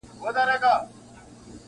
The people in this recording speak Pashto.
نوري یې مه پریږدی د چا لښکري-